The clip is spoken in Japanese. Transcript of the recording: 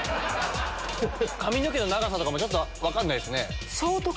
髪の毛の長さとかも分かんないっすね。